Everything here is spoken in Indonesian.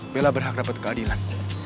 bella berhak dapat keadilan